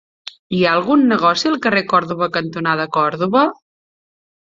Hi ha algun negoci al carrer Còrdova cantonada Còrdova?